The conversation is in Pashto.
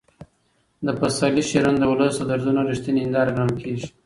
د پسرلي شعرونه د ولس د دردونو رښتینې هنداره ګڼل کېږي.